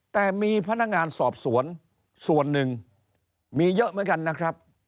แต่มีพนักงานสอบสวนส่วนหนึ่งมีเยอะเหมือนกันนะครับ